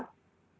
jadi apapun aturan